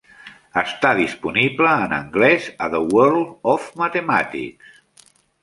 Està disponible en anglès a 'The World of Mathematics'.